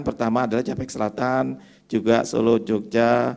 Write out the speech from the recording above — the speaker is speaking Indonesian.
pertama adalah capek selatan juga solo jogja